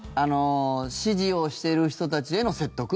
支持をしている人たちへの説得？